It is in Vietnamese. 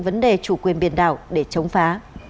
vấn đề chủ quyền biển đảo để chống phá